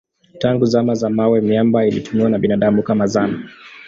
Tangu zama za mawe miamba ilitumiwa na binadamu kama zana.